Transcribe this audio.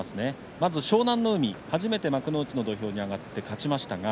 まず湘南乃海、初めて幕内の土俵に上がって勝ちました。